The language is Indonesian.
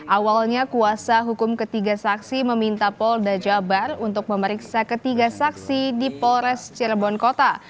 awalnya kuasa hukum ketiga saksi meminta polda jabar untuk memeriksa ketiga saksi di polres cirebon kota